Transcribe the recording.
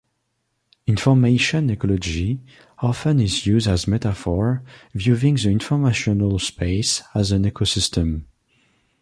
"Information ecology" often is used as metaphor, viewing the informational space as an ecosystem.